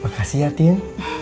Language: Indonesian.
makasih ya tin